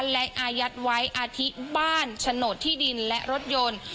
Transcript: และอายัดไว้อาทิบ้านโฉนดที่ดินและรถยนต์